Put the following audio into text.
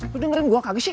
lu dengerin gue kagak sih